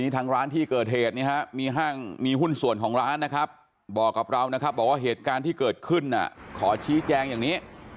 ทางร้านที่เกิดเหตุมีหุ้นส่วนของร้านบอกว่าเหตุการณ์ที่เกิดขึ้นขอชี้แจงอย่างนี้